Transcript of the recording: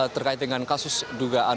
terkait dengan kasus dugaan